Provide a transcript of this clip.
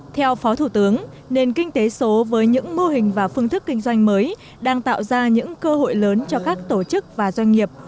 theo phó thủ tướng nền kinh tế số với những mô hình và phương thức kinh doanh mới đang tạo ra những cơ hội lớn cho các tổ chức và doanh nghiệp